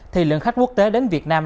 thì lượng khách quốc tế đến việt nam